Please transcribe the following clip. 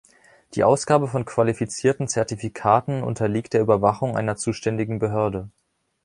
Die Ausgabe von qualifizierten Zertifikaten unterliegt der Überwachung einer zuständigen Behörde.